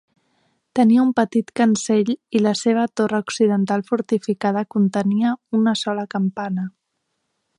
Tenia un petit cancell i la seva torre occidental fortificada contenia una sola campana.